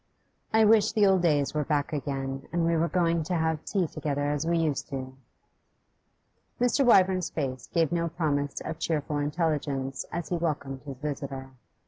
'I wish the old days were back again, and we were going to have tea together as we used to.' Mr. Wyvern's face gave no promise of cheerful intelligence as he welcomed his visitor.